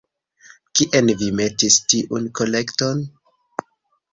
Kien vi metis tiun kolekton?